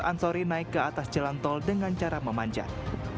ansori naik ke atas jalan tol dengan cara memanjat